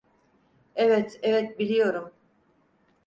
Evet, evet, biliyorum.